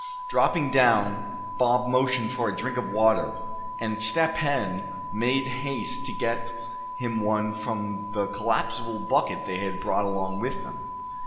Dropping down, Bob motioned for a drink of water, and Step Hen made haste to get him one from the collapsible bucket they had brought along with them.